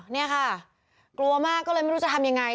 นี่ค่ะกลัวมากก็เลยไม่รู้จะทำยังไง